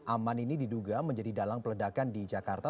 aman ini diduga menjadi dalang peledakan di jakarta